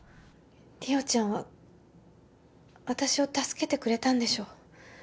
莉桜ちゃんは私を助けてくれたんでしょ